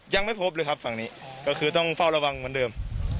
ยังไม่พบเลยครับฝั่งนี้ก็คือต้องเฝ้าระวังเหมือนเดิม